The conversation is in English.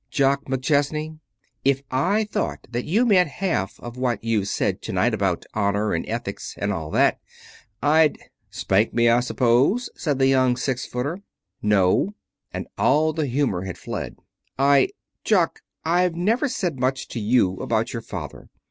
"Jock McChesney, if I thought that you meant half of what you've said to night about honor, and ethics, and all that, I'd " "Spank me, I suppose," said the young six footer. "No," and all the humor had fled, "I Jock, I've never said much to you about your father.